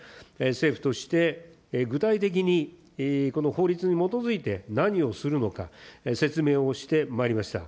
政府として具体的に、この法律に基づいて、何をするのか、説明をしてまいりました。